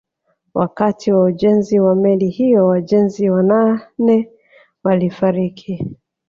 Wakati wa ujenzi wa meli hiyo wajenzi wanane walifariki